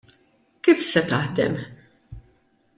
Kif se taħdem?